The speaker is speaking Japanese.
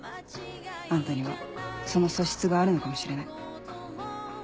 あんたにはその素質があるのかもしれない。